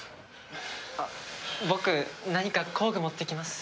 あっ僕何か工具持ってきます。